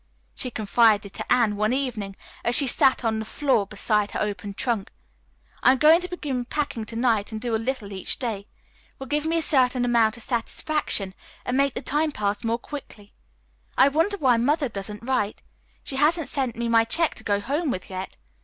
She confided to Anne one evening, as she sat on the floor beside her open trunk: "I'm going to begin packing to night and do a little each day. It will give me a certain amount of satisfaction and make the time pass more quickly. I wonder why Mother doesn't write? She hasn't sent me my check to go home with yet.